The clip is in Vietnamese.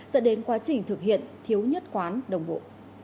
dẫn đến quá trình thực hiện thiếu nhất quán đồng bộ